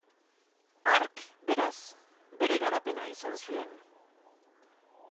Hark, beraz, bere garapena izan zuen.